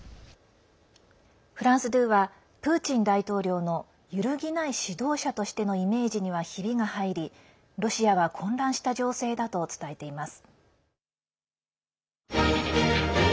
フランス２はプーチン大統領の揺るぎない指導者としてのイメージにはひびが入りロシアは混乱した情勢だと伝えています。